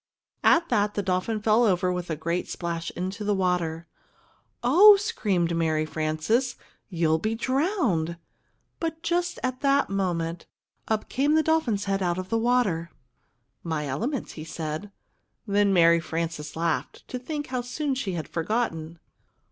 At that, the dolphin fell over with a great splash into the water. "Oh!" screamed Mary Frances, "you'll be drowned!" But, just at that moment, up came the dolphin's head out of the water. "My element!" he said. Then Mary Frances laughed to think how soon she had forgotten.